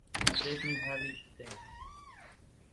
Let me have it then!